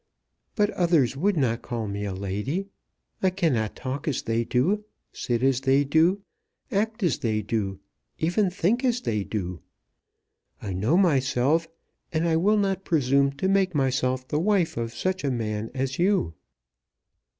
But others would not call me a lady. I cannot talk as they do, sit as they do, act as they do, even think as they do. I know myself, and I will not presume to make myself the wife of such a man as you."